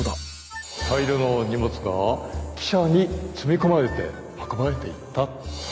大量の荷物が汽車に積み込まれて運ばれていった。